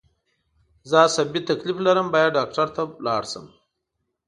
زه عصابي تکلیف لرم باید ډاکټر ته لاړ شم